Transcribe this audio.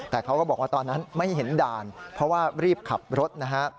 แต่เขาก็บอกว่าตอนนั้นไม่เห็นด่านเพราะว่ารีบขับรถนะฮะ